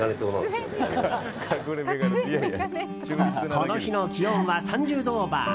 この日の気温は３０度オーバー。